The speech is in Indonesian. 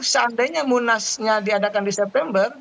seandainya munasnya diadakan di september